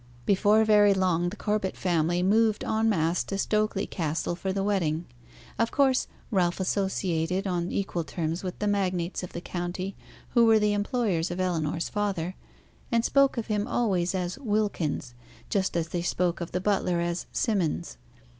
Before very long the Corbet family moved en masse to Stokely Castle for the wedding. Of course, Ralph associated on equal terms with the magnates of the county, who were the employers of Ellinor's father, and spoke of him always as "Wilkins," just as they spoke of the butler as "Simmons."